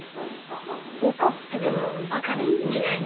おこっててもあかるいみたいな？